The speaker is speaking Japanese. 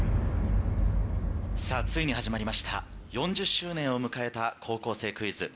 ついに始まりました４０周年を迎えた『高校生クイズ』。